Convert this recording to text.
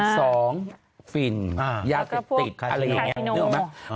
สองฟิลยาเต็ดติดอะไรอย่างนี้